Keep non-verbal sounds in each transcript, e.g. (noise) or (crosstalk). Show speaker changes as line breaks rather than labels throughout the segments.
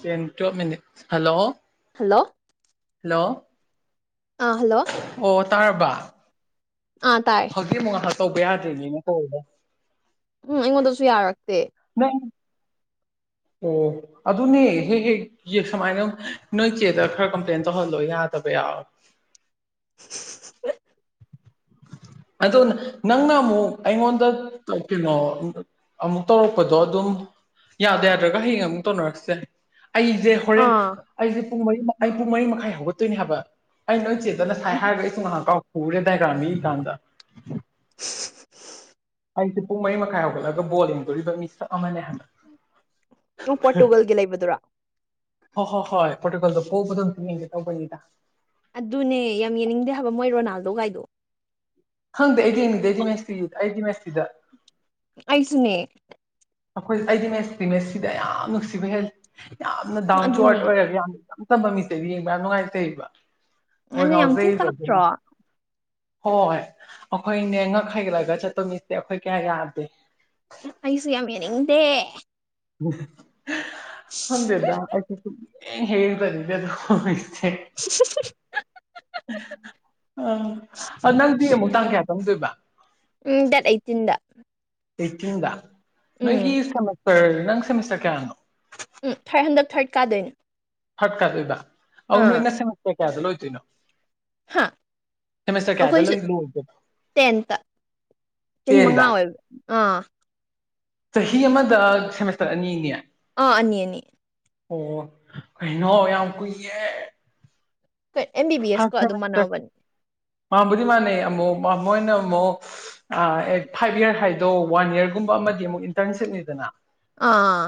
ten ꯇꯨꯌꯦꯜꯄ ꯃꯤꯃꯤꯠ hello
hello
hello
ꯑꯥ ꯍꯜꯂꯣ
ꯑꯣ ꯇꯥꯔꯕ
ꯑꯥ ꯇꯥꯏ
ꯍꯧꯖꯤꯛ ꯑꯃꯨꯛ ꯉꯥꯏꯍꯥꯛ ꯇꯧꯕ ꯌꯥꯗ꯭ꯔꯤꯅꯦꯅ ꯀꯧꯔꯤꯗ
ꯎꯝ ꯑꯩꯉꯣꯟꯗꯁꯨ ꯌꯥꯔꯒꯦ
(unintelligible) ꯑꯣ ꯑꯗꯨꯅꯦ ꯍꯦꯛ ꯍꯦꯛ ꯌꯦꯦꯛ ꯁꯨꯃꯥꯏꯅ ꯅꯣꯏ ꯆꯦꯗ ꯈꯔ ꯀꯝꯄ꯭ꯂꯦꯟ ꯇꯧꯍꯜꯂꯣ ꯌꯥꯗ꯭ꯔꯥ ꯇꯕ ꯌꯥꯎ
(unintelligible)
ꯑꯗꯣ ꯅꯪꯅ ꯑꯃꯨꯛ ꯑꯩꯉꯣꯟꯗ ꯀꯩꯅꯣ ꯑꯃꯨꯛ ꯇꯧꯔꯛꯄꯗꯣ ꯑꯗꯨꯝ ꯌꯥꯗ ꯌꯥꯗ꯭ꯔꯒ ꯍꯌꯦꯡ ꯑꯃꯨꯛ ꯇꯧꯅꯔꯁ ꯌꯥꯦꯏ ꯑꯩꯁꯦ ꯍꯣꯔꯦꯟ
ꯑꯥ
ꯑꯩꯁꯦ ꯄꯨꯡ ꯃꯔꯤ ꯑꯩ ꯄꯨꯡ ꯃꯔꯤ ꯃꯈꯥꯏ ꯍꯧꯒꯠꯇꯣꯏꯅꯦ ꯍꯥꯏꯕ ꯑꯩ ꯅꯣꯏꯁꯦ ꯑꯗ ꯉꯁꯥꯏ ꯍꯥꯏꯔꯒ ꯑꯩꯁꯨ ꯉꯍꯥꯛ ꯀꯥꯎ ꯄꯨꯔꯦ ꯗꯥꯏꯒ꯭ꯔꯥꯝ ꯃꯤ ꯀꯥꯟꯗ
(unintelligible)
ꯑꯩꯁꯦ ꯄꯨꯡ ꯃꯔꯤ ꯃꯈꯥꯏ ꯍꯧꯒꯠꯂꯒ ꯕꯣꯜ ꯌꯦꯡꯗꯣꯔꯤꯕ ꯃꯤꯁꯛ ꯑꯃꯅꯦ ꯍꯥꯏꯕ
ꯑꯗꯨꯨꯡ ꯄꯣꯔꯇꯨꯒꯜꯒꯤ ꯂꯩꯕꯗꯨꯔꯥ
ꯍꯣꯏ ꯍꯣꯏ ꯍꯣꯏ ꯄ꯭ꯔꯣꯔꯇꯨꯒꯣꯜꯗꯣ ꯄꯣꯛꯕꯗꯣꯝꯇ ꯌꯦꯡꯒꯦ ꯇꯧꯕꯅꯤꯗ
ꯑꯗꯨꯅꯦ ꯌꯥꯝ ꯌꯦꯡꯅꯤꯡꯗꯦ ꯍꯥꯏꯕ ꯃꯣꯏ ꯔꯣꯅꯥꯜꯗꯣꯒꯥꯏꯗꯣ
ꯈꯪꯗꯦ ꯑꯩ ꯌꯦꯡꯅꯤꯡꯗꯦ ꯑꯩꯗꯤ ꯃꯦꯁꯇ꯭ꯔꯤ ꯑꯩꯗꯤ ꯃꯦꯁꯇ꯭ꯔꯤꯗ
ꯑꯩꯁꯨꯅꯦ
ꯑꯩꯈꯣꯏ ꯑꯩꯗꯤ ꯃꯦꯁꯇꯤ ꯃꯦꯁꯁꯤꯗ ꯌꯥꯝ ꯅꯨꯡꯁꯤꯕ ꯍꯦꯜꯂꯤ ꯌꯥꯝꯅ ꯗꯥꯎꯟ
ꯑꯗꯨꯅꯦ
ꯇꯨꯋꯥꯔꯗ ꯑꯣꯏꯔꯒ ꯌꯥꯝꯅ ꯇꯝꯕ ꯃꯤꯆꯗꯨ ꯌꯦꯡꯕ ꯌꯥꯝ ꯅꯨꯡꯉꯥꯏꯖꯩꯕ ꯍꯣꯏ
ꯅꯪꯅ ꯌꯥꯝ ꯊꯤꯅ
ꯉꯥꯎꯖꯩꯔꯤꯕ
ꯀꯥꯛꯇ꯭ꯔꯣ
ꯑꯗꯨꯅ ꯍꯣꯏ ꯑꯩꯈꯣꯏꯅꯦ ꯉꯛ ꯍꯩꯒꯠꯂꯒ ꯆꯠꯄ ꯃꯤꯁꯦ ꯑꯩꯈꯣꯏ ꯀꯌꯥ ꯌꯥꯗꯦ
ꯑꯩꯁꯨꯌꯥꯃꯤꯌꯥꯝ ꯌꯦꯡ ꯅꯤ ꯏꯗꯦ
ꯈꯪꯗꯦꯗꯥ ꯑꯩꯁꯨ ꯁꯨꯡ ꯌꯦꯡ ꯍꯦꯛ ꯌꯦꯡꯖꯅꯤꯡꯗꯦ ꯑꯗꯨ ꯁꯦ ꯑ ꯅꯪꯗꯤ ꯑꯃꯨꯛ ꯇꯥꯡ ꯀꯌꯥ ꯇꯧꯗꯣꯏꯕ
ꯎꯝ ꯗꯦꯠ ꯑꯩꯇꯤꯟꯗ
ꯑꯩꯠꯇꯤꯟꯗ ꯅꯣꯏꯒꯤ ꯁꯦꯃꯤꯁꯇꯔ ꯅꯪ ꯁꯦꯃꯤꯁꯇꯔ ꯀꯌꯥꯅꯣ
ꯎꯝ ꯊꯥꯔꯠ ꯍꯟꯗꯛ ꯊꯥꯔꯠ ꯀꯥꯗꯣꯏꯅꯤ
ꯍꯠ ꯀꯗꯣꯏꯕ ꯑꯅ ꯏꯅ ꯁꯁ ꯀꯌꯥꯗ ꯂꯣꯏꯗꯣꯏꯅꯣ
ꯍꯥ
ꯁꯦꯃꯤꯁꯇꯔ ꯀꯌꯥꯗ
ꯑꯩꯈꯣꯏꯁꯨ
ꯂꯣꯏ ꯂꯣꯏꯗꯣꯏꯅꯣ
ꯇꯦꯟꯇ ꯆꯍꯤ ꯃꯉꯥ
ꯇꯦꯟꯗ
ꯑꯣꯏꯕ ꯑꯥ
ꯆꯍꯤ ꯑꯃꯗ ꯁꯦꯃꯤꯁꯇꯔ ꯑꯅꯤꯅꯦ
ꯑꯥ ꯑꯅꯤꯑꯅꯤ
ꯑꯣ ꯀꯩꯅꯣ ꯌꯥꯝ ꯀꯨꯏꯌꯦ
ꯑꯦꯝ ꯕꯤ ꯕꯤ ꯑꯦꯁꯀ
ꯐꯦ
ꯑꯗꯨꯝ
ꯐꯦ
ꯃꯥꯟꯅꯕꯅꯤ
ꯃꯥ ꯃꯥꯟꯅꯩ ꯑꯃꯨꯛ ꯃꯣꯏꯅ ꯑꯃꯨꯛ ꯐꯥꯏꯚ ꯏꯔ ꯍꯥꯏꯗꯣ ꯋꯥꯟ ꯏꯔꯒꯨꯝꯕ ꯑꯃꯗꯤ ꯑꯃꯨꯛ ꯇꯪꯁꯤꯅꯤꯗꯅ
ꯑꯥ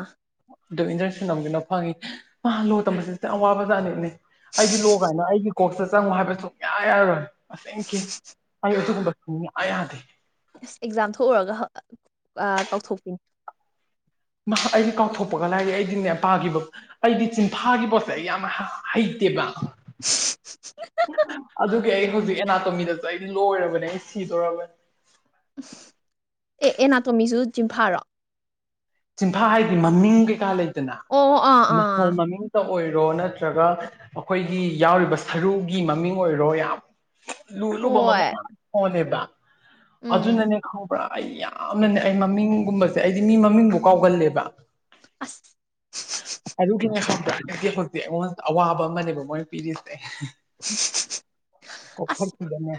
ꯑꯣ ꯏꯟꯖꯔꯁ ꯅꯝꯗꯨꯅ ꯐꯪꯉꯤ ꯃꯥ ꯂꯣ ꯇꯝꯕꯁꯤ ꯑꯋꯥꯕꯖꯥ ꯑꯅꯦꯦꯛꯅꯦ ꯑꯩꯗꯤ ꯂꯣ ꯀꯥꯏꯅ ꯑꯩꯒꯤ ꯀꯣꯛꯁꯇ ꯆꯪꯉꯣ ꯍꯥꯏꯕ ꯁꯨꯡꯌꯥ ꯌꯥꯔꯔꯣꯏ ꯑꯁꯦꯡ ꯑꯩ ꯑꯗꯨꯒꯨꯝꯕꯁꯤꯡ ꯑ ꯌꯥꯗꯦ
ꯑꯁ ꯑꯦꯛꯖꯥꯝ ꯊꯣꯛꯎꯔꯒ ꯀꯥꯎꯊꯣꯛꯄꯤꯅꯤ
ꯑꯩꯗꯤ ꯀꯥꯎꯊꯣꯛꯄꯒ ꯂꯥꯏꯔꯤꯛ ꯑꯩꯗꯤ ꯃ ꯄꯥꯈꯤꯕ ꯑꯩꯗꯤ ꯆꯤꯟꯐꯥꯒꯤ ꯄꯣꯠꯁꯦ ꯑꯩ ꯌꯥꯝ ꯍꯩ ꯕ ꯑꯗꯨ ꯑꯩ ꯍꯧꯖꯤꯛ ꯑꯦꯅꯥꯇꯣꯃꯤꯗꯁꯨ ꯑꯩ ꯂꯣꯏꯔꯕꯅꯦ ꯑꯩ ꯁꯤꯗꯣꯔꯔꯕꯅꯦ
ꯑꯦ ꯑꯦꯅꯥꯇꯣꯃꯤꯁꯨ ꯖꯤꯝꯐꯥꯔꯣ
ꯁꯤꯤꯟꯐꯥ ꯍꯥꯏꯗꯤ ꯃꯃꯤꯡ ꯀꯩꯀꯥ ꯂꯩꯗꯅ
ꯑꯣ ꯑꯥ
ꯃꯊꯣ
ꯑꯥ
ꯃꯃꯤꯡ ꯇꯧ ꯑꯣꯏꯔꯣ ꯅꯠꯇ꯭ꯔꯒ ꯑꯩꯈꯣꯏꯒꯤ ꯌꯥꯎꯔꯤꯕ ꯁꯔꯨꯒꯤ ꯃꯃꯤꯡ ꯑꯣꯏꯔꯣ ꯌꯥꯝ ꯂꯨ ꯂꯨꯕ ꯃꯃꯩ
ꯍꯣꯏ
ꯌꯥꯝ ꯍꯣꯜꯂꯦꯕ
ꯎꯝ
ꯑꯗꯨꯅꯅꯦ ꯈꯕ꯭ꯔꯥ ꯑꯩ ꯌꯥꯝꯅꯅꯦ ꯑꯩ ꯃꯃꯤꯡꯒꯨꯝꯕꯁꯦ ꯑꯩꯗꯤ ꯃꯤ ꯃꯃꯤꯡꯕꯨ ꯀꯥꯎꯒꯜꯂꯦꯕ
ꯑꯁ
ꯑꯗꯨꯨ ꯀꯅꯁ ꯗꯤ ꯍꯧꯖꯤꯛ ꯑꯩꯉꯣꯟꯗ ꯑꯋꯥꯕ ꯑꯃꯅꯦꯕ ꯃꯣꯏꯅ ꯄꯤꯔꯤꯁꯦ ꯑꯩ
ꯑꯁ
ꯀꯣꯛꯐꯛꯁꯤꯗꯅꯦ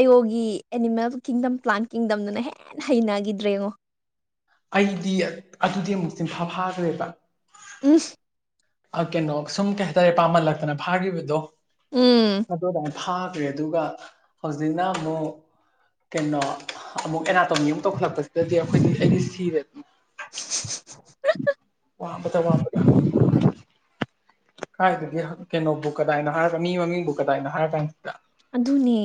ꯏꯣꯒꯤ ꯑꯦꯅꯤꯃꯦꯜ ꯀꯤꯡꯗꯝ ꯄ꯭ꯂꯥꯟ ꯀꯤꯡꯗꯝꯗꯨꯅ ꯍꯦꯟꯅ ꯍꯩꯅꯈꯤꯗ꯭ꯔꯦ ꯌꯦꯉꯣ
ꯑꯩꯗꯤ ꯑꯗꯨꯗꯤ ꯑꯃꯨꯛꯇꯤ ꯐꯥꯐꯥꯈ꯭ꯔꯦꯕ
ꯎ
ꯀꯩꯅꯣ ꯁꯨꯝ ꯀꯩ ꯍꯥꯏꯇꯥꯔꯦ ꯄꯥꯝꯍꯜꯂꯛꯇꯅ ꯐꯥꯈꯤꯕꯗꯣ
ꯎꯝ
ꯑꯗꯨ ꯐꯥꯈ꯭ꯔꯦ ꯑꯗꯨꯒ ꯍꯧꯖꯤꯛꯅ ꯑꯃꯨꯛ ꯀꯩꯅꯣ ꯑꯃꯨꯛ ꯑꯦꯅꯥꯇꯣꯃꯤ ꯑꯃꯨꯛ ꯇꯧꯈꯠꯂꯛꯄꯁꯤꯗꯗꯤ ꯑꯩꯈꯣꯏꯗꯤ ꯑꯩꯗꯤ ꯁꯤꯔꯦ
(unintelligible)
ꯋꯥꯗ ꯋꯥ ꯀꯥꯏꯗꯗꯤ ꯀꯩꯅꯣꯕꯨ ꯀꯗꯥꯏꯣ ꯍꯥꯏꯔꯒ ꯃꯤ ꯃꯃꯤꯡꯕꯨ ꯀꯗꯥꯏꯣ ꯍꯥꯏꯔ ꯀꯥꯟꯁꯤꯗ
ꯑꯗꯨꯅꯦ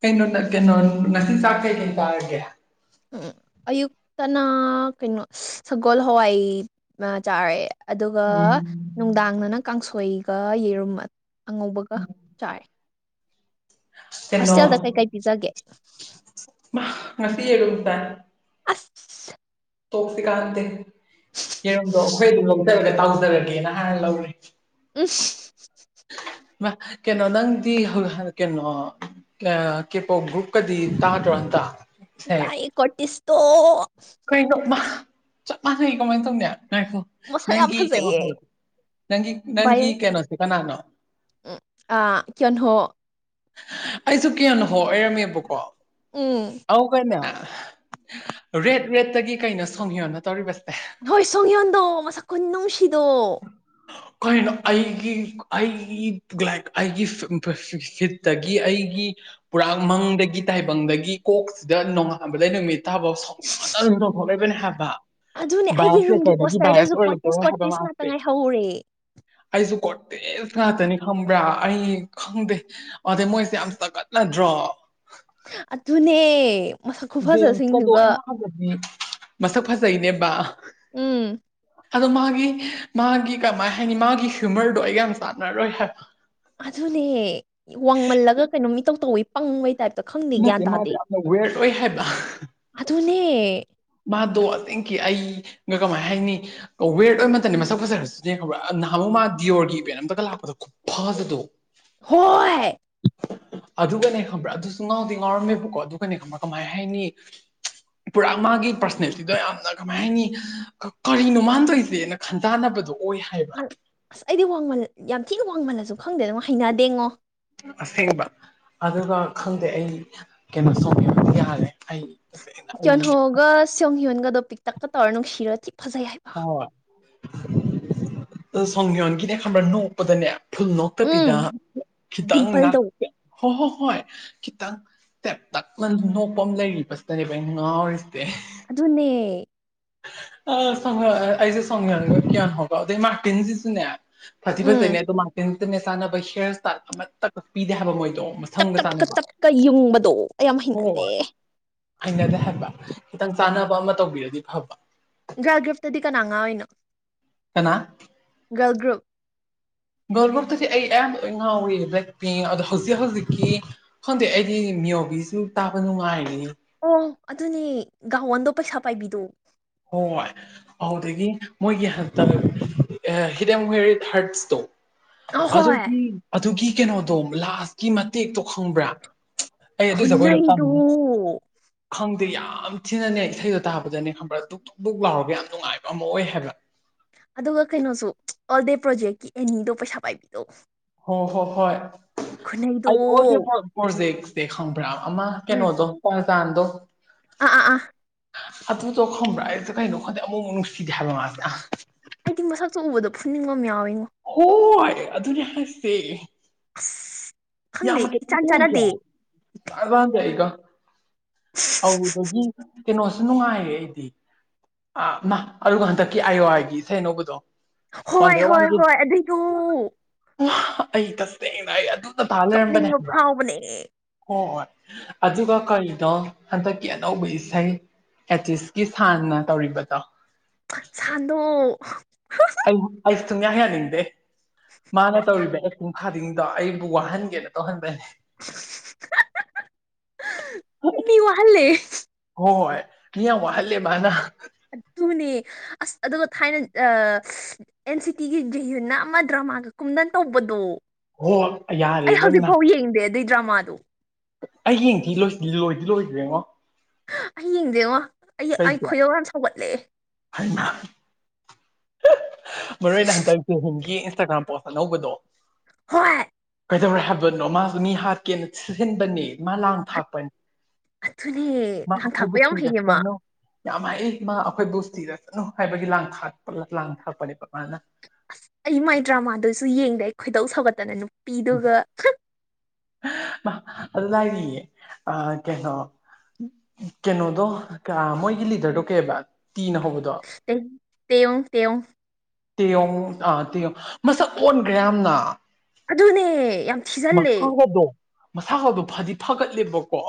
ꯀꯩꯅꯣ ꯀꯩꯅꯣ ꯉꯁꯤ ꯆꯥꯛ ꯀꯩ ꯀꯩꯣ ꯇꯥꯔꯒꯦ
ꯎꯝ ꯑꯌꯨꯛꯇꯅ ꯀꯩꯅꯣ ꯁꯒꯣꯜ ꯍꯋꯥꯏ ꯆꯥꯔꯦ ꯑꯗꯨꯒ
ꯎꯝ
ꯅꯨꯡꯗꯥꯡꯅꯅ ꯀꯥꯡꯁꯣꯏꯒ ꯌꯦꯔꯨꯝ ꯑꯉꯧꯕꯒ ꯆꯥꯏ
ꯀꯩꯅꯣ
ꯍꯣꯁꯇꯦꯜꯗ ꯀꯩ ꯀꯩ ꯄꯤꯖꯒꯦ
ꯉꯁꯤꯤꯔꯗ
ꯑꯁ
ꯇꯣꯛꯁꯤ ꯀꯥꯟꯗꯦ ꯌꯦꯔꯨꯝꯝꯗꯣ ꯑꯩꯈꯣꯏꯗꯣ ꯂꯧꯖꯔꯒꯦ ꯇꯥꯎꯖꯔꯒꯦꯅ ꯍꯥꯏꯅ ꯂꯧꯔꯦ
ꯍ
ꯀꯩꯅꯣ ꯅꯪꯗꯤ ꯀꯩꯅꯣ ꯀꯦꯣ ꯒ꯭ꯔꯨꯞꯀꯗꯤ ꯇꯥꯗ꯭ꯔꯣ ꯑꯟꯇꯥ
ꯀꯥꯏ ꯀꯠꯤꯁꯇꯣ
ꯑꯩ ꯆ ꯆꯞ ꯃꯥ ꯀꯃꯥꯏ ꯇ ꯈꯣ
ꯃꯁꯛ ꯌꯥꯝ
ꯅꯪꯒꯤ ꯀꯩꯅꯣ
ꯐꯖꯩꯌꯦ
ꯍꯥꯏ ꯅꯪꯒꯤ ꯅꯪꯒꯤ ꯀꯩꯅꯣꯁꯦ ꯀꯅꯥꯅꯣ
ꯎ ꯑ ꯀꯦꯟꯍꯣ
ꯑꯩꯁꯨ ꯀꯌꯥꯅꯣ ꯍꯣꯏꯔꯝꯃꯦꯕꯀꯣ
ꯎꯝ
ꯑ ꯀꯅꯦ ꯔꯦꯠ ꯔꯦꯗꯠꯇꯒꯤ ꯀꯩꯅꯣ ꯁꯣꯡꯉꯌꯅ ꯇꯧꯔꯤꯕꯁꯦ
ꯍꯣꯏ ꯁꯣꯡꯌꯣꯟꯗꯣ ꯃꯁꯛ ꯀꯨꯟ ꯅꯨꯡꯁꯤꯗꯣ
ꯀꯅꯣ ꯑꯩꯒꯤ ꯑꯩꯒꯤ ꯂꯥꯏꯛ ꯑꯩꯒꯤ ꯁꯤꯠꯇꯒꯤ ꯑꯩꯒꯤ ꯄꯨꯔꯥ ꯃꯪꯗꯒꯤ ꯇꯥꯏꯕꯪꯗꯒꯤ ꯀꯣꯛꯁꯤꯗ ꯅꯣꯡꯉꯥꯟꯕꯗ ꯅꯨꯃꯤꯠ ꯊꯥꯕꯥꯎ ꯁꯥꯎꯅ ꯑꯗꯨꯝ ꯇꯣꯡꯊꯣꯛꯂꯕꯅꯦ ꯍꯥꯏꯕ
ꯑꯗꯨꯅꯦ ꯑꯩꯒꯤ ꯔꯨꯝꯒꯤ
ꯕꯥꯁꯦꯀꯔꯅ
ꯄꯣꯁꯇꯔꯗꯁꯨ
ꯔꯁ
ꯀꯣꯔꯇꯦꯁ
ꯑꯣꯏꯔꯔ
ꯀꯣꯔꯇꯦꯁ
ꯍꯥꯏꯕ
ꯉꯥꯛꯇ ꯉꯥꯏꯍꯧꯔꯦ
ꯑꯩꯁꯨ ꯀꯣꯇꯦ ꯉꯥꯛꯇꯅꯤ ꯈ ꯈꯪꯕ꯭ꯔꯥ ꯑꯩ ꯈꯪꯗꯦ ꯑꯗꯩ ꯃꯣꯏꯁꯦ ꯌꯥꯝ ꯆꯒꯠꯂꯗ꯭ꯔꯣ
ꯑꯗꯨ ꯑꯗꯨꯅꯦ ꯃꯁꯛ
ꯦꯝꯀꯗꯣ
ꯈꯨꯐꯖꯁꯤꯡꯗꯨꯒ
ꯑꯩꯅ ꯍꯪꯕꯗꯤ ꯃꯁꯛ ꯐꯖꯩꯅꯦꯕ
ꯎꯝ
ꯑꯗꯣ ꯃꯥꯒꯤ ꯃꯥꯒꯤ ꯀꯃꯥꯏ ꯍꯥꯏꯅꯤ ꯃꯥꯒꯤ ꯍ꯭ꯌꯨꯃꯔꯗꯣ ꯑꯩꯒ ꯌꯥꯝ ꯆꯥꯟꯅꯔꯣꯏ ꯍꯥꯏꯕ
ꯑꯗꯨꯅꯦ ꯋꯥꯡꯃꯜꯂꯒ ꯀꯩꯅꯣ ꯃꯤꯇꯧ ꯇꯧꯤ ꯄꯪꯕ ꯍꯥꯏꯇꯥꯔ ꯇ ꯈꯪꯅꯤ ꯒ꯭ꯌꯥꯟ
ꯅꯠꯇꯦ ꯃꯥꯗꯣ
ꯇꯥꯗꯦ
ꯌꯥꯝꯅ ꯋꯦꯔꯗ ꯑꯣꯏ ꯍꯥꯏꯕ
ꯑꯗꯨꯅꯦ
ꯗꯣ ꯑꯗꯨꯤꯡꯀꯤ ꯑꯩꯒ ꯀꯃꯥꯏꯅ ꯍꯥꯏꯅꯤ ꯋꯦꯔ ꯑꯣꯏꯕ ꯃꯇꯝꯅꯤ ꯃꯁꯛ ꯐꯖꯔꯁꯨ ꯈ꯭ꯔꯅꯥ ꯃꯥ ꯗꯤꯌꯣꯔꯒꯤ ꯏꯚꯦꯟ ꯑꯝꯇꯒ ꯂꯥꯛꯄꯗꯣ ꯈꯨꯠ ꯐꯥꯗꯗꯣ
ꯍ ꯍꯥꯏ
ꯑꯗꯨꯒꯅꯦ ꯈꯪꯕ꯭ꯔꯥ ꯑꯗꯨꯁꯨ ꯉꯥꯎꯗꯤ ꯉꯥꯎꯔꯝꯃꯦꯕꯀꯣ ꯑꯗꯨꯒꯅꯦ ꯈꯪꯕ꯭ꯔꯥ ꯀꯃꯥꯏ ꯍꯥꯏꯅꯤ ꯄꯨꯔꯥ ꯃꯥꯒꯤ ꯄꯔꯁꯅꯦꯂꯤꯇꯤꯗꯣ ꯌꯥꯝꯅ ꯀꯃꯥꯏ ꯍꯥꯏꯅꯤ ꯀꯔꯤꯅꯣ ꯃꯥꯟꯗꯣꯏꯁꯦꯅ ꯈꯟ ꯇꯅꯕꯗꯣ
ꯑ ꯑꯁ ꯑꯩꯗꯤ ꯋꯥꯡꯃꯜ ꯌꯥꯝ ꯊꯤꯅ ꯋꯥꯡꯃꯜꯂꯁꯨ ꯈꯪꯗꯦ ꯑꯗꯨ ꯍꯩꯅꯗꯦꯉꯣ
ꯑꯁꯦꯡꯕ ꯑꯗꯨꯒ ꯈꯪꯗꯦ ꯑꯩ ꯀꯩꯅꯣ ꯁꯣꯡꯉꯦ ꯌꯥꯜꯂꯦ
ꯀꯤꯣꯟ ꯍꯣꯒ ꯁꯣ ꯌꯣꯟꯒ ꯗꯣꯄꯤꯛ ꯇꯛꯀ ꯇꯧꯔ ꯅꯨꯡꯁꯤꯔꯣ ꯊ ꯐꯖꯩ ꯍꯥꯏꯕ
ꯁꯪꯉꯤꯌꯟ ꯀꯅꯦ ꯈ ꯅꯣꯡꯄꯗꯅꯦ ꯐꯨꯜ
ꯎꯝ
ꯅꯣꯛꯇꯕꯤꯗ ꯈꯤꯇꯪ
ꯗꯤꯝꯄꯜꯗꯣ
ꯍꯣꯏ ꯍꯣꯏ ꯍꯣꯏ ꯈꯤꯇꯪ ꯇꯦꯞ ꯇꯛꯅ ꯅꯣꯛꯄ ꯑꯃ ꯂꯩꯔꯤꯕꯁꯤꯗꯅꯦꯕ ꯑꯩꯅ ꯉꯥꯎꯔꯤꯁꯦ
ꯑꯗꯨꯗ ꯅꯦ
ꯑ ꯁ ꯑꯩꯁꯦ ꯁ꯭ꯔꯅꯤꯡꯒ ꯀꯌꯥꯅ ꯍꯕꯗ ꯃꯔꯇꯤꯟꯁꯤꯁꯨꯅꯦ ꯐꯖꯤ
ꯎꯝ
ꯐꯖꯩꯅꯦ ꯑꯗꯣ ꯃꯥꯡꯇꯤꯟ ꯇꯤꯟꯅ ꯆꯥꯅꯕ ꯍꯤꯌꯔ ꯏꯁꯇꯥꯏꯜ ꯑꯃꯠꯇ ꯀꯛꯄꯤꯗꯦ ꯍꯥꯏꯕ ꯃꯣꯏꯗꯣ
ꯇꯛ
ꯃꯁꯝꯒ
ꯇꯞꯀ
ꯆꯥꯅꯕ
ꯇꯛꯀ ꯌꯨꯡꯕꯗꯣ ꯌꯥꯝꯌꯥꯝ ꯍꯩꯅꯗꯦ
ꯍꯩꯅꯗꯍꯟꯕ ꯈꯤꯇꯪ ꯆꯥꯟꯅꯕ ꯑꯃ ꯇꯧꯕꯤꯔꯗꯤ ꯐꯕ
ꯒ꯭ꯔꯥ ꯒ꯭ꯔꯞꯇꯗꯤ ꯀꯅꯥ ꯉꯥꯏꯅꯣ
ꯀ
ꯒꯜ꯭ꯔꯨꯨꯞ
ꯒꯜꯕꯛꯇꯗꯤ ꯑꯩ ꯑꯌꯥꯝꯕ ꯑꯣꯏꯅ ꯉꯥꯎꯏꯤ ꯕ꯭ꯂꯦꯛ ꯄꯤꯡ ꯑꯗꯣ ꯍꯧꯖꯤꯛ ꯍꯧꯖꯤꯛꯀꯤ ꯈꯪꯗꯦ ꯑꯩꯗꯤ ꯃꯤꯑꯣꯏꯕꯤꯁꯨ ꯇꯥꯕ ꯅꯨꯡꯉꯥꯏꯔꯅꯤ
ꯑꯣ ꯑꯗꯨꯅꯦ ꯒꯋꯥꯟꯗꯣ ꯄꯩꯁꯥ ꯄꯥꯏꯕꯤꯗꯣ
ꯍꯣꯏ ꯑꯗꯨꯗꯒꯤ ꯃꯣꯏꯒꯤ ꯍ ꯍꯤꯠ ꯑꯦꯟ ꯋꯦꯔꯤꯠ ꯍꯔꯠꯁꯇꯣ
ꯑꯍꯣꯏ
ꯑꯗꯨꯒꯤ ꯑꯗꯨꯒꯤ ꯀꯩꯅꯣꯗꯣ ꯂꯥꯁꯀꯤ ꯃꯇꯦꯛꯇꯣ ꯈꯪꯕ꯭ꯔꯥ ꯑꯗꯤ ꯁꯒꯣꯏ ꯆꯇꯥ
ꯈꯨꯟꯅꯩꯗꯣ
ꯈꯪꯗꯦ ꯌꯥꯝ ꯊꯤꯅꯅꯦ ꯏꯁꯩꯗꯣ ꯇꯥꯕꯗꯅꯦ ꯈꯪꯕ꯭ꯔꯥ ꯑꯗꯨ ꯛ ꯕꯨꯛ ꯂꯥꯎꯕ ꯌꯥꯝ ꯅꯨꯡꯉꯥꯏꯕ ꯑꯃ ꯑꯣꯏ ꯍꯥꯏꯕ
ꯑꯗꯨꯒ ꯀꯩꯅꯣꯁꯨ ꯑꯣꯜ ꯗꯦ ꯄ꯭ꯔꯣꯖꯦꯛꯀꯤ ꯑꯦꯅꯤꯗꯣ ꯄꯩꯁꯥ ꯄꯥꯏꯕꯤꯗꯣ
ꯍꯣ ꯍꯣ ꯍꯣꯏ
ꯈꯨꯅꯩꯗꯣ
ꯑꯩ ꯑꯣ ꯗ ꯄ꯭ꯔꯣꯖꯦꯛꯁꯦꯪ ꯭ꯔꯥ ꯑꯃ
ꯎꯝ
ꯀꯩꯅꯣꯗꯣ ꯄꯥ ꯆꯥꯟꯗꯣ
ꯑꯥ ꯑꯥ ꯑꯥ
ꯑ ꯇ ꯈ꯭ꯔ ꯑꯩ ꯀꯥꯏꯩꯅꯣꯈ ꯑꯃꯃꯛꯁꯤ ꯍꯥꯏꯦꯜꯂ ꯃꯥꯅ
ꯑꯩꯗꯤ ꯃꯁꯛꯇ ꯎꯕꯗꯣ ꯐꯨꯟꯅꯤꯡꯕ ꯑꯃ ꯌꯥꯎꯏꯤ
ꯍ ꯑꯗꯨꯅ ꯑꯁꯦ
ꯑ
ꯌꯥꯝꯦꯥꯕꯦꯒ ꯑꯗꯨꯗꯒꯤ ꯀꯩꯅꯣꯁꯨ ꯅꯨꯡꯉꯥꯏꯔꯦ ꯑꯩꯗꯤ ꯑ ꯃꯥ ꯑꯗꯨꯒ ꯍꯟꯗꯛꯀꯤ ꯑꯥꯏ ꯑꯣ ꯑꯥꯏꯒꯤ ꯏꯁꯩꯩꯅꯧꯕꯗꯣ
ꯍꯣꯏ ꯍꯣꯏ ꯍꯣꯏ ꯑꯗꯨꯕꯨ
ꯑꯩ ꯇꯁꯦꯡꯅ ꯑꯩ ꯑꯗꯨꯗ ꯇꯥ ꯂꯩꯔꯝꯕꯅꯦ
ꯀꯞꯅꯤꯡꯕ
ꯍꯥꯏꯕ꯭ꯔ
ꯐꯥꯎꯕꯅꯦ
ꯑꯣ ꯍꯣꯏ ꯑꯗꯨꯒ ꯀꯔꯤꯗꯣ ꯍꯟꯗꯛꯀꯤ ꯑꯅꯧꯕ ꯏꯁꯩ ꯑꯦꯇꯤꯁꯀꯤ ꯁꯥꯟꯅ ꯇꯧꯔꯤꯕꯗꯣ
ꯁꯥꯟꯗꯣ
ꯑꯩ ꯑꯩ ꯁꯨꯡꯌꯥ ꯌꯥꯅꯤꯡꯗꯦ ꯃꯥꯅ ꯇꯧꯔꯤꯕ ꯑꯦꯛꯛꯇꯨꯡ ꯐꯥꯗꯤꯡꯗꯣ ꯑꯩꯕꯨ ꯋꯥꯍꯟꯒꯦꯅ ꯇꯧꯍꯟꯕꯅꯦ ꯍ
ꯃꯤ ꯋꯥꯍꯜꯂꯦ
ꯍꯣꯏ ꯏꯌꯥ ꯋꯥꯜꯂꯦ ꯃꯥꯅ
ꯑꯗꯨꯅꯦ ꯑꯁ ꯑꯗꯨꯒ ꯊꯥꯏꯅ ꯑꯦꯟ ꯁꯤ ꯇꯤꯒꯤ ꯍꯨ ꯅꯝ ꯑꯃꯗ꯭ꯔꯥ ꯃꯥꯒ ꯀꯨꯝꯗꯟ ꯇꯧꯕꯗꯣ
ꯍꯣꯏ ꯌꯥꯔꯦ ꯑꯗꯨꯅ
ꯗ꯭ꯔ ꯃꯥꯥ ꯑꯗꯨ
ꯑꯩ ꯌꯦꯡꯗꯤ ꯂꯣꯏꯗꯤ ꯂꯣꯏꯗ꯭ꯔꯦꯉꯣ
ꯑꯩ ꯌꯦꯡꯗꯦꯡꯉꯣ ꯑꯩ ꯑꯩ ꯈꯣꯏꯌꯧ ꯌꯥꯝ ꯁꯧꯒꯠꯂꯛꯑꯦ
ꯍꯥꯏꯅ ꯃꯔꯨ ꯑꯣꯏꯅ ꯍꯟꯗꯛ ꯆꯍꯒꯤ ꯏꯟꯁꯇꯥꯒ꯭ꯔꯥꯝ ꯄꯣꯁ ꯑꯅꯧꯕꯗꯣ
ꯍꯣꯏ
ꯀꯩꯗꯧꯔꯦ ꯍꯥꯏꯕꯅꯣ ꯃꯥꯁꯨ ꯃꯤ ꯍꯥꯠꯀꯦꯅ ꯁꯤꯖꯤꯟꯕꯅꯦ ꯃꯥ ꯂꯥꯡ ꯊꯥꯛꯄꯅꯤ
ꯑꯗꯨꯅꯦ
ꯃꯥ ꯑꯩꯈꯣꯏꯕꯨ
ꯂꯥꯡꯊꯥꯛꯄ ꯌꯥꯝ ꯍꯩꯌꯦ ꯃꯥ
ꯀꯤꯔꯁꯅꯨ ꯌꯥꯝ ꯃꯑ ꯏꯃꯥ ꯑꯩꯈꯣꯏ ꯕꯨꯁꯇꯤꯗ ꯆꯠꯅꯨ ꯍꯥꯏꯕꯒꯤ ꯂꯥꯡ ꯊꯥꯛꯄ ꯂꯥꯡ ꯊꯥꯛꯄꯅꯦꯕ ꯃꯥꯅ
ꯑꯁ ꯑꯩ ꯃꯥꯏ ꯗ꯭ꯔꯃꯥꯗꯁꯨ ꯌꯦꯡꯗꯦ ꯈꯣꯏꯗꯧ ꯁꯧꯒꯠꯇꯅꯅꯨ ꯄꯤꯗꯨꯒ
ꯃꯥ ꯑꯗꯨ ꯂꯏꯑꯦ ꯑ ꯀꯩꯅꯣ ꯀꯩꯅꯣꯗꯣ ꯃꯣꯏꯒꯤ ꯂꯤꯗꯔꯗꯣ ꯀꯩꯕ ꯇꯤꯅ ꯍꯧꯕꯗ
ꯇꯧ (unintelligible)
ꯇꯌꯣ ꯑꯥ ꯇꯤꯌꯣ ꯃꯁꯛ ꯑꯣꯟꯈ꯭ꯔꯦ ꯌꯥꯝꯅ
ꯑꯗꯨꯅꯦ ꯌꯥꯝ ꯊꯤꯖꯤꯜꯂꯦ
ꯃꯁꯥ ꯈꯕ ꯐꯗꯤ ꯐꯒꯠꯂꯦꯕꯀꯣ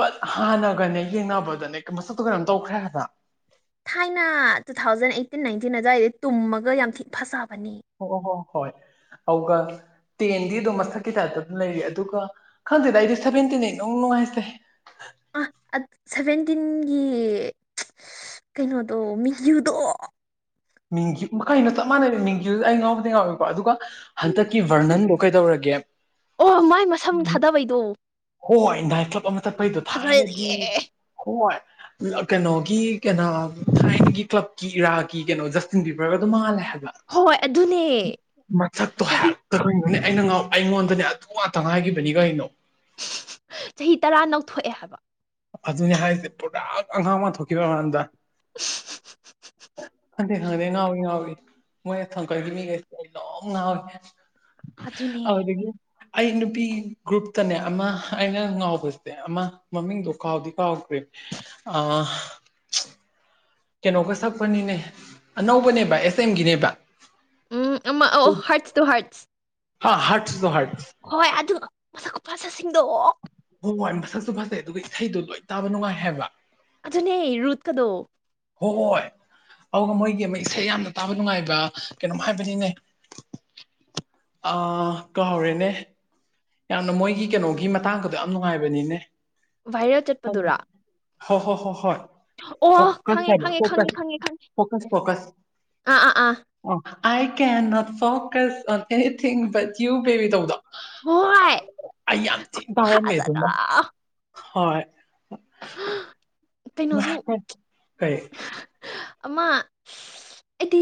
ꯕꯠ ꯍꯥꯟꯅꯒꯅꯦ ꯌꯦꯡꯅꯕꯗꯅꯦ ꯃꯁ ꯑꯗꯨ ꯀꯩꯅꯣꯝ ꯇꯧꯈ꯭ꯔꯦ ꯍꯥꯏꯕ
ꯊꯥꯏꯅ ꯇꯨ ꯊꯥꯎꯖꯟ ꯑꯩꯠꯇꯤꯟ ꯅꯥꯏꯟꯇꯤꯟ ꯑꯗꯨꯋꯥꯏꯗꯗꯤ ꯇꯨꯝꯃꯒ ꯌꯥꯝ ꯊꯤ ꯐꯖꯕ
ꯑꯣ ꯍꯣ ꯍꯣꯏ ꯑꯗꯨꯒꯒ ꯇꯦꯟꯗꯤ ꯑꯗꯨꯝ ꯃꯁꯛꯀꯤ ꯇꯥꯏꯞꯇ ꯑꯗꯨꯝ ꯂꯩꯔ ꯑꯗꯨꯒ ꯈꯪꯗꯦꯗ ꯑꯩꯗꯤ ꯁꯚꯦꯟꯇꯤꯟ ꯅꯨꯡ ꯅꯨꯡꯉꯥꯏꯇꯦ
ꯑ ꯁꯚꯟ ꯇꯤꯟꯒꯤ ꯀꯩꯅꯣꯗꯣ ꯃꯤꯖꯨꯗꯣ
ꯃꯤꯡꯒꯤ ꯃꯈꯩꯅ ꯆꯞ ꯃꯥꯟꯅꯩ ꯃꯤꯡꯒꯤꯗꯨꯗ ꯑꯩ ꯉꯥꯎꯕꯗꯤ ꯉꯥꯎꯋꯀꯣ ꯑꯗꯨꯒ ꯍꯟꯗꯛꯀꯤ ꯕꯔꯅꯟꯗꯣ ꯀꯩꯗꯧꯔꯒꯦ
ꯑꯣ ꯃꯥꯏ ꯃꯁꯝ ꯊꯥꯗꯕꯩꯗꯣ
ꯍꯣꯏ ꯍꯣꯏ ꯏꯟꯗꯤꯌꯥꯟ ꯀ꯭ꯂꯕ ꯑꯃ ꯆꯠꯄꯩꯗꯣ ꯊꯥꯏꯅꯒꯤ
ꯐꯖꯩꯌꯦ
ꯍꯣꯏ ꯀꯩꯅꯣꯒꯤ ꯀꯩꯅꯣ ꯊꯥꯏꯅꯒꯤ ꯀ꯭ꯂꯕꯀꯤ ꯏꯔꯥꯒꯤ ꯀꯩꯅꯣ ꯖꯁꯇꯤꯟ ꯄꯤꯕ꯭ꯔꯒ ꯑꯗꯨꯝ ꯃꯥꯜꯂꯦ
ꯍꯣꯏ ꯑꯗꯨꯅꯦ
ꯃꯊꯣ
ꯆꯍꯤ
ꯍꯥꯏꯛꯇꯔꯅꯦ ꯑꯩꯅ ꯉ ꯑꯩꯉꯣꯟꯗꯅꯦ ꯑꯗꯨ ꯉꯥꯛꯇ ꯍꯥꯏꯥꯏꯈꯤꯕꯅꯤꯒ ꯀꯩꯅꯣ
ꯆꯍꯤ ꯇꯔꯥ ꯅꯧꯊꯣꯛꯑꯦ ꯍꯥꯏꯕ
ꯑꯗꯨꯅꯦ ꯍꯥꯏꯔꯤꯁꯦ ꯄꯗꯛ ꯑꯉꯥꯡ ꯑꯃ ꯊꯣꯛꯀꯦ ꯟ ꯈꯪ ꯈꯪꯗ ꯅꯍꯥꯋ ꯅꯎꯋꯕꯤ ꯃꯣꯏ ꯊꯥꯡꯀꯜꯒꯤ ꯃꯤꯒꯩꯁꯦ ꯑꯩ ꯂꯣꯡ ꯉꯅꯥꯥꯎꯋꯦ
ꯑꯗꯨꯊꯅꯦ
ꯑꯩ ꯅꯨꯄꯤ ꯒ꯭ꯔꯨꯞꯇꯅꯦ ꯑꯃ ꯑꯩꯅ ꯉꯥꯎꯕꯁꯦ ꯑꯃ ꯃꯃꯤꯡꯗꯣ ꯀꯥꯎꯗꯤ ꯀꯥꯎꯈ꯭ꯔꯦ ꯑ ꯀꯩꯅꯣꯒ ꯁꯛꯄꯅꯤꯅꯦ ꯑꯅꯧꯕꯅꯦꯕ ꯑꯦꯁ ꯑꯦꯝꯒꯤꯅꯦꯕ
ꯎꯝ ꯑ ꯑ ꯍꯠꯁ ꯇꯨ ꯍꯠꯁ
ꯍꯥ ꯍꯠꯁꯨꯣ ꯍ ꯍꯥꯠ
ꯍꯣꯏ ꯑꯗꯨꯒ ꯃ ꯃꯆꯥꯁꯤꯡꯗꯣ
ꯋꯥ ꯃꯁꯛꯁꯨ ꯐꯖꯩ ꯑꯗꯨꯒ ꯏꯁꯩꯗꯣ ꯂꯣꯏ ꯇꯥꯕ ꯅꯨꯡꯉꯥꯏ ꯍꯥꯏꯕ
ꯖꯅꯦ ꯔꯨꯠ ꯀꯗꯣ
ꯍꯣꯏ ꯑꯗꯨꯒ ꯃꯣꯏꯒꯤ ꯑꯃ ꯏꯁꯩ ꯌꯥꯝꯅ ꯇꯥꯕ ꯅꯨꯡꯉꯥꯏꯕ ꯀꯩꯅꯣꯝ ꯍꯥꯏꯕꯅꯤꯅꯦ ꯑꯥ ꯀꯥꯎꯔꯦꯅꯦ ꯌꯥꯝꯅ ꯃꯣꯏꯒꯤ ꯀꯩꯅꯣꯒꯤ ꯃꯇꯥꯡꯒꯗꯣ ꯌꯥꯝ ꯅꯨꯡꯉꯥꯏꯕꯅꯤꯅꯦ
ꯚꯥꯏꯔꯦꯜ ꯆꯠꯄꯗꯨꯔꫭ
ꯍꯣ ꯍꯣ ꯍꯣ ꯍꫭꯏ ꯐꫭꯀꯁ
ꯈꯪꯉꯦ
ꯍꯥꯏꯕ
ꯈꯪꯉꯦ ꯈꯪꯉꯦ
ꯐꫭꯀꯁ
ꯈꯪꯉꯦ ꯈꯪꯉꯦ
ꯐꫭꯀꯁ ꯐꫭꯀꯁ
ꯑꯥ ꯑꯥ ꯑꯥ
ꯑ I ꯀꯦꯟꯅꫭꯠ focus on anything but you baby ꯇꯧꯕꯗꫭ
ꯍꯣꯏ
ꯑꯩ ꯌꯥꯝ ꯊꯤ ꯇꯥꯔꯝꯃꯦ
ꯐꯖꯅ
ꯑꯗꯨꯃ ꯍꯣꯏ
ꯀꯩꯅꯣꯁꯨ
ꯃꯁ ꯀꯩ
ꯑꯃ ꯑꯩꯗꯤ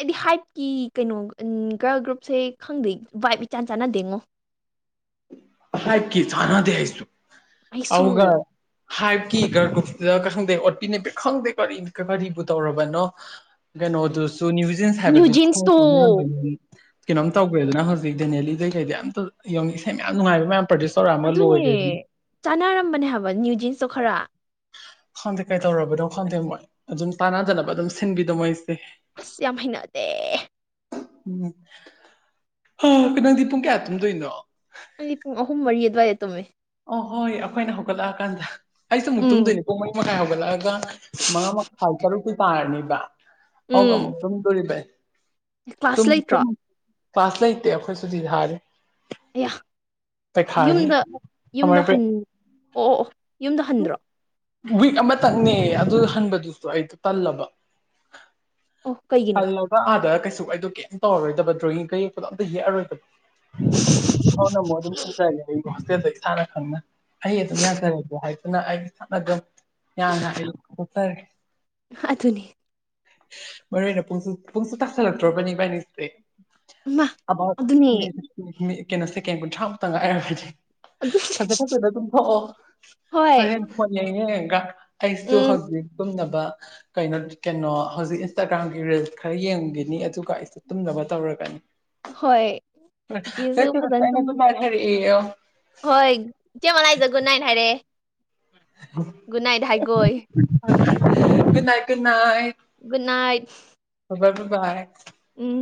ꯑꯩꯗꯤ ꯍꯥꯏꯠꯀꯤ ꯀꯩꯅꯣꯒ ꯒ꯭ꯔꯨꯞꯁꯦ ꯈꯪꯗꯦ ꯚꯏꯞ ꯏꯆꯥꯟ ꯆꯥꯟꯅꯗꯦꯉꯣ
(inaudible) ꯀꯤ ꯆꯥꯟꯅꯗꯦ ꯑꯩꯁꯨ
ꯑꯩꯩꯁꯨ
ꯍꯥꯏꯞꯀꯤ ꯒꫪꯒꯨꯞꯇꯗ ꯈꯪꯗꯦ ꯑꯣꯠꯄꯤ ꯅꯩꯕꯤ ꯈꯪꯗꯦ ꯀꯔꯤ ꯀꯔꯤꯕꯨ ꯇꯧꯔꯕꯅꯣ ꯀꯩꯅꯣꯗꯨꯁꯨ ꯅ‌ꯌꯨꯖꯦꯟꯁ
ꯅ꯭ꯌꯨ
ꯍꯥꯏꯕꯗꯨ
ꯖꯤꯟꯁꯇꯣ
(unintelligible) ꯀꯩꯅꯣꯝ ꯇꯧꯒ꯭ꯔꯦꯗꯅ ꯍꯧ ꯔꯤꯛꯗꯦꯅꯦꯂꯤꯗꯩ ꯀꯩꯗꯩ ꯑꯝꯇ ꯌꯦꯡꯅꯦ ꯏꯁꯩ ꯌꯥꯝ ꯅꯨꯉꯥꯏꯕ ꯃꯌꯥꯝ
ꯑꯗꯨꯅꯦ ꯆꯥꯟꯅꯔꯝꯕꯅꯦ ꯍꯥꯏꯕ ꯅ꯭ꯌꯨ ꯖꯤꯟꯁꯇꯣ ꯈꯔ
ꯈꯪꯗꯦ ꯀꯩꯗꯧꯔꯕꯅꯣ ꯈꯪꯗꯦ ꯃꯣꯏ ꯑꯗꯨꯝ ꯇꯥꯟꯅꯗꯅꯕ ꯑꯗꯨꯝ ꯁꯤꯟꯕꯤꯗꯣ ꯃꯣꯏꯁꯦ
ꯑꯁ ꯌꯥꯝ ꯍꯩꯅꯗꯦ
ꯎꯝ ꯑ ꯅꯪꯗꯤ ꯄꯨꯡ ꯀꯌꯥ ꯇꯨꯝꯗꯣꯏꯅꯣ
ꯑꯩ ꯄꯨꯡ ꯑꯍꯨꯝ ꯃꯔꯤ ꯑꯗꯨꯋꯥꯏꯗ ꯇꯨꯝꯃꯦ
ꯑꯣ ꯍꯣꯏ ꯑꯩꯈꯣꯏꯅ ꯍꯧꯒꯠꯂꯛꯑꯀꯥꯟꯗ ꯑꯩꯁꯨ ꯑꯃꯨꯛ
ꯎꯝ
ꯇꯨꯝꯗꯣꯏꯅꯤ ꯄꯨꯡ ꯃꯔꯤ ꯃꯈꯥꯏ ꯍꯧꯒꯠꯂꯛꯑꯒ ꯃꯉꯥ ꯃꯈꯥꯏ ꯇꯔꯨꯛꯇꯤ ꯇꯥꯔꯅꯤꯕ ꯑꯗꯨꯒ
ꯎꯝ
ꯑꯃꯨꯛ ꯇꯨꯝꯗꯣꯔꯤꯕ
ꯀ꯭ꯂꯥꯁ ꯂꯩꯇ꯭ꯔꯣ
ꯀ꯭ꯂꯥꯁ ꯂꯩꯥꯏꯇꯦ ꯑꯩꯈꯣꯏ ꯁꯨꯇꯤ ꯊꯥꯔꯤ
ꯑꯌꯥ
ꯄꯩꯈꯥꯒꯤ
ꯌꯨꯝꯗ ꯌꯨꯝꯗ
ꯁꯝꯃꯔ
ꯍꯟ
ꯕ꯭ꯔꯦꯛ
ꯑꯣ ꯑꯣ ꯑꯣ ꯌꯨꯝꯗ ꯍꯟꯗ꯭ꯔꯣ
ꯋꯤꯛ ꯑꯃꯇꯪꯅꯦ ꯑꯗꯨ ꯍꯟꯕꯗꯨꯁꯨ ꯑꯩꯗꯤ ꯇꯜꯂꯕ
ꯑꯣ ꯀꯩꯒꯤꯅꯣ
ꯍꯜꯂꯒ ꯑꯥꯗ ꯀꯩꯁꯨ ꯑꯩꯗꫭ ꯀꯩꯝ ꯇꯧꯔꯔꯣꯏꯗꯕ ꯗ꯭ꯔꯣꯋꯤꯡꯒ ꯌꯦꯛꯄꯗꯣ ꯑꯝꯇ ꯌꯦꯛꯑꯔꯣꯏꯗꯕ (unintelligible) ꯑꯗꯨꯝ ꯍꯟꯖꯥꯔꯦ ꯑꯩ ꯍꫭꯁꯇꯦꯜꯗ ꯏꯁꯥꯅ ꯈꯪꯅ ꯑꯩ ꯑꯗꯨꯝ ꯌꯥꯖꯔꯒꯦ ꯍꯥꯏꯗꯨꯅ ꯑꯩ ꯏꯁꯥꯅ ꯑꯗꯨꯝ ꯌꯥꯅ (unintelligible)
ꯑꯗꯨꯅꯤ
ꯃꯔꯨꯑꫭꯏꯅ ꯄꯨꯡꯁꯨ ꯄꯨꯡꯁꯨ ꯇꯁꯂꯛꯇ꯭ꯔꯣꯕꯅꯤ ꯄꯥꯏꯅꯤꯁꯦ
ꯏꯃꯥ
ꯑꯕꯥꯎꯠ
ꯑꯗꯨꯅꯦ
ꯃꯤꯟ ꯀꯩꯅꯣꯁꯦ ꯁꯦꯀꯦꯟ ꯀꯨꯟꯊ꯭ꯔꯥꯃꯨꯛꯇꯪ ꯉꯥꯏꯔꯕꯅꯤ
ꯑꯗꯨ
ꯐꯖ ꯐꯖꯗ ꯑꯗꯨꯝ ꯊꯣꯛꯑꯣ
ꯍꯣꯏ
ꯍꯣꯔꯦꯟ ꯐꫭꯟ ꯌꯦꯡꯉ ꯌꯦꯡꯉꯒ ꯑꯩꯁꯨ
ꯎꯝ
ꯍꯧꯖꯤꯛ ꯇꯨꯝꯅꯕ ꯀꯩꯅꯣ ꯀꯩꯅꯣ ꯍꯧꯖꯤꯛ ꯏꯟꯁꯇꯥꯒ꯭ꯔꯥꯝꯒꯤ ꯔꯤꯜꯁ ꯈꯔ ꯌꯦꯡꯈꯤꯅꯤ ꯑꯗꯨꯒ ꯑꯩꯁꯨ ꯇꯨꯝꯅꯕ ꯇꯧꯔꯒꯅꯤ
ꯍꯣꯏ ꯆꯤꯆꯦꯁꯨ
(unintelligible)
ꯐꯖꯅ
ꯑꯩꯅ
ꯇꯨꯝ
ꯒꯨꯠ ꯅꯥꯏꯠ ꯍꯥꯏꯔꯛꯑꯦꯌꫭ
ꯍꯣꯏ ꯏꯆꯦꯃ ꯂꯥꯏꯖ ꯒꯨꯠ ꯅꯥꯏꯠ ꯍꯥꯏꯔꯦ ꯨ ꯅꯨꯠ ꯅꯥꯏꯠ ꯍꯥꯏꯒꯣꯌꯦ
good night good night
good night
good bye ꯒꯨꯠꯕꯥꯏ
ꯎꯝ